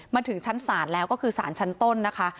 มาถึงชั้นศาลแล้วก็คือสารชั้นต้นนะคะ